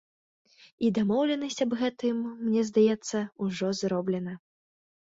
І дамоўленасць аб гэтым, мне здаецца, ужо зроблена.